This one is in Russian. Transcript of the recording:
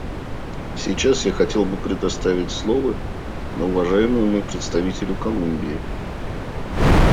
Сейчас я хотел бы предоставить слово уважаемому представителю Колумбии.